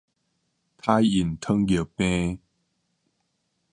胎孕糖尿病